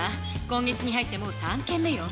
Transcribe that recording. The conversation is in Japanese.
今月に入ってもう３件目よ。